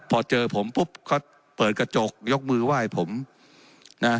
พอเจอผมปุ๊บก็เปิดกระจกยกมือไหว้ผมนะ